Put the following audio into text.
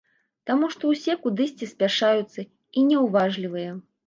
Таму што ўсе кудысьці спяшаюцца, і няўважлівыя.